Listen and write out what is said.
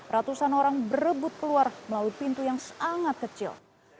ratusan orang berebut keluar melalui pintu yang sangat kecil